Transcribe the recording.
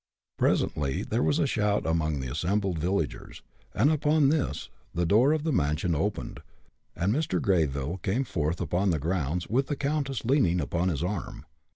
Presently there was a shout among the assembled villagers, and upon this, the door of the mansion opened, and Mr. Greyville came forth upon the grounds, with the countess leaning upon his arm.